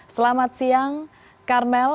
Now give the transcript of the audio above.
selamat siang karmel